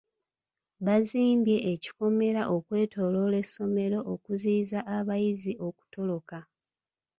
Bazimbye ekikomera okwetooloola essomero okuziyiza abayizi okutoloka.